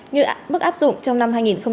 như mức áp dụng trong năm hai nghìn hai mươi hai